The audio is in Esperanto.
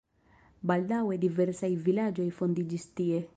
Baldaŭe diversaj vilaĝoj fondiĝis tie.